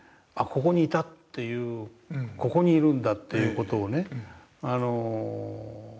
ここにいたっていうここにいるんだっていう事をね